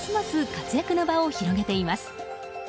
活躍の場を広げています。